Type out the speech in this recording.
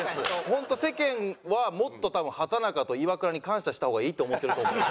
本当世間はもっと多分畠中とイワクラに感謝した方がいいと思ってると思う。